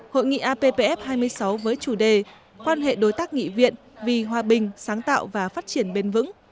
hội nghị appf hai mươi sáu với chủ đề quan hệ đối tác nghị viện vì hòa bình sáng tạo và phát triển bền vững